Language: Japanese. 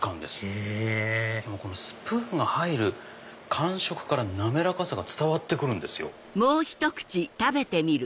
へぇスプーンの入る感触から滑らかさが伝わって来るんですよ。